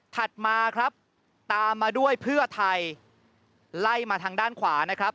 ถัดมาครับตามมาด้วยเพื่อไทยไล่มาทางด้านขวานะครับ